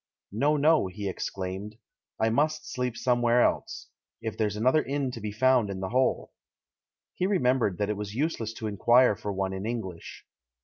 "No, no," he exclaimed. "I must sleep somewhere else — if there's another inn to be found in the hole!" He remembered that it was useless to inquire for one in English.